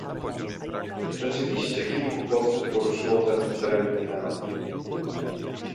Rzeczywiście kilku posłów poruszyło ten odrębny temat